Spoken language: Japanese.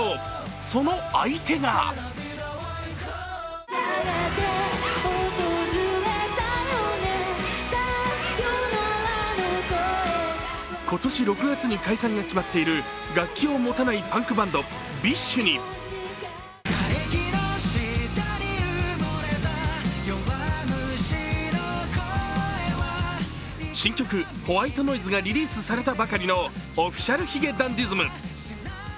その相手が今年６月に解散が決まっている、楽器を持たないパンクバンドＢｉＳＨに新曲「ホワイトノイズ」がリリースされたばかりのＯｆｆｉｃｉａｌ髭男ｄｉｓｍ。